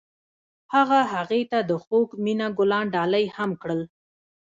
هغه هغې ته د خوږ مینه ګلان ډالۍ هم کړل.